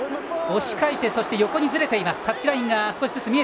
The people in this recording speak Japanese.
押し返して横にずれています。